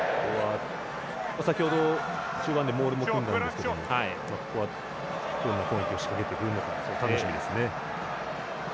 先ほど、中盤でモールも組んだんですけどここはどういう攻撃を仕掛けてくるのか楽しみですね。